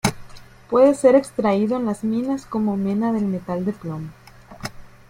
Puede ser extraído en las minas como mena del metal de plomo.